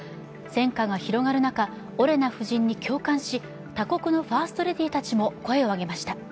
戦火が広がる中オレナ夫人に共感し他国のファーストレディーたちも声を上げました。